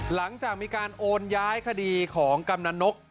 หลังจากมีการโอนย้ายคดีของกำนันนก